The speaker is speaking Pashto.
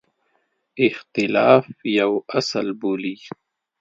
اختلاف یو اصل بولي.